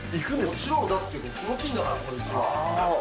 もちろん、気持ちいいんだから、こいつは。